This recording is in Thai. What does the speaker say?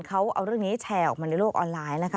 เขาเอาเรื่องนี้แชร์ออกมาในโลกออนไลน์นะคะ